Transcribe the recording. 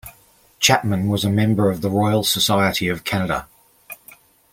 Chapman was a member of the Royal Society of Canada.